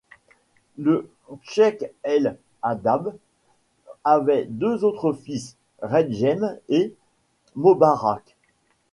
Le Cheikh El Haddad avait deux autres fils, Redjem et Mobarak.